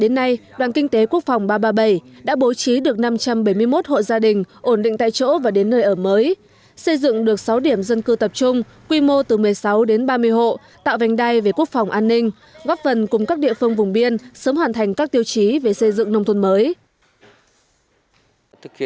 đến nay đoàn kinh tế quốc phòng ba trăm ba mươi bảy đã bố trí được năm trăm bảy mươi một hộ gia đình ổn định tại chỗ và đến nơi ở mới xây dựng được sáu điểm dân cư tập trung quy mô từ một mươi sáu đến ba mươi hộ tạo vành đai về quốc phòng an ninh góp phần cùng các địa phương vùng biên sớm hoàn thành các tiêu chí về xây dựng nông thôn mới